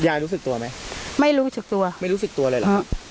รู้สึกตัวไหมไม่รู้สึกตัวไม่รู้สึกตัวเลยเหรอฮะ